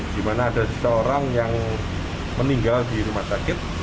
di mana ada seseorang yang meninggal di rumah sakit